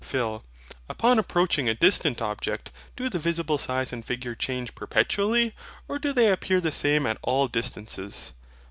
PHIL. Upon approaching a distant object, do the visible size and figure change perpetually, or do they appear the same at all distances?